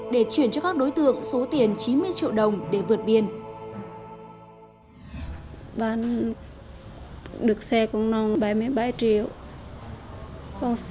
để trở thành một gia đình siêu hợp biếp